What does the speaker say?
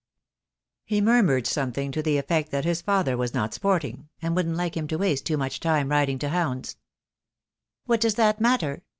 He murmured something to the effect that his father was not sporting, and wouldn't like him to waste too much time riding to hounds. "What does that matter?"